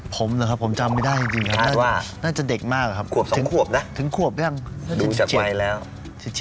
ตอนเด็กจะโดนแซวตลอดถ้าว่าปากหนาครับแล้วก็ผมหยิก